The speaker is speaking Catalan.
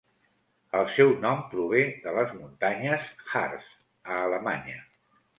El seu nom prové de les muntanyes Harz, a Alemanya.